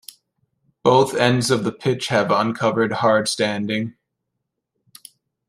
Both ends of the pitch have uncovered hardstanding.